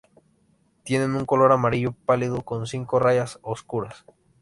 Tiene un color amarillo pálido con cinco rayas oscuras.